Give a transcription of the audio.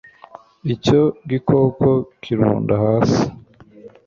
icyo gikoko kirunda hasi